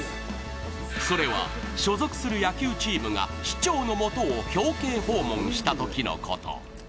それは、所属する野球チームが市長のもとを表敬訪問したときのこと。